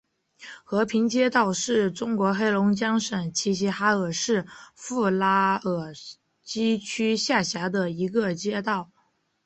和平街道是中国黑龙江省齐齐哈尔市富拉尔基区下辖的一个街道。